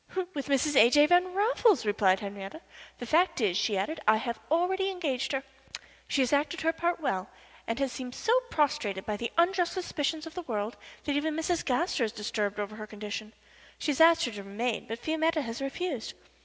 "With Mrs. A. J. Van Raffles," replied Henriette. "The fact is," she added, "I have already engaged her. She has acted her part well, and has seemed so prostrated by the unjust suspicion of the world that even Mrs. Gaster is disturbed over her condition. She has asked her to remain, but Fiametta has refused.